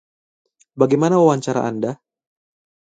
Bagaimana wawancara Anda?